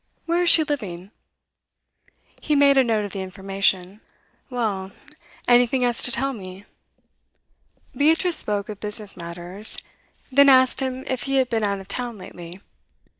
Where is she living?' He made a note of the information. 'Well, anything else to tell me?' Beatrice spoke of business matters, then asked him if he had been out of town lately.